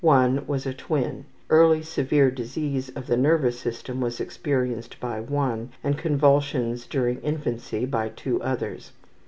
One was a twin. Early severe disease of the nervous system was experienced by one, and convulsions during infancy by two others.